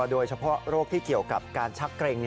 โดยเฉพาะโรคที่เกี่ยวกับการชักเกร็ง